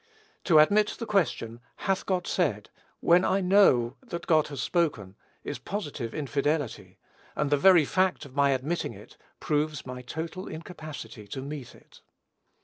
To admit the question, "hath God said?" when I know that God has spoken, is positive infidelity; and the very fact of my admitting it, proves my total incapacity to meet it.